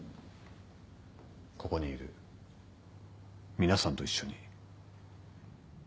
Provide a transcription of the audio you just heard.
ここにいる皆さんと一緒に。